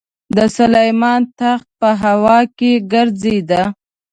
د سلیمان تخت به په هوا کې ګرځېده.